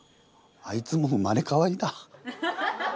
あいつも生まれ変わりだ。